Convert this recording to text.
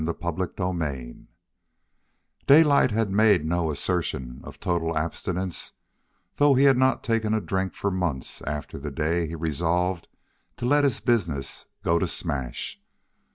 CHAPTER XXVI Daylight had made no assertion of total abstinence though he had not taken a drink for months after the day he resolved to let his business go to smash.